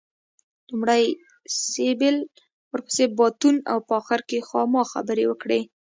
لومړی سېبل ورپسې باتون او په اخر کې خاما خبرې وکړې.